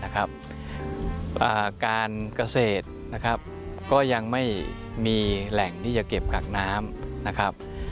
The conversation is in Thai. การเกษตรก็ยังไม่มีแหล่งที่จะเก็บกักน้ำ